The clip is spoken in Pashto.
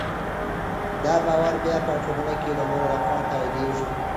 دا باور بیا په ټولنه کې د نورو لخوا تاییدېږي.